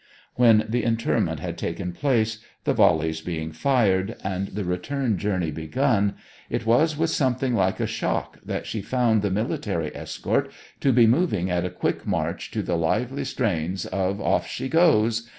When the interment had taken place, the volleys been fired, and the return journey begun, it was with something like a shock that she found the military escort to be moving at a quick march to the lively strains of 'Off she goes!'